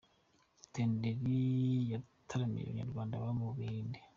Rutenderi yataramiye Abanyarwanda baba mu Buhinde